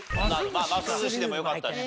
まあます寿司でもよかったし。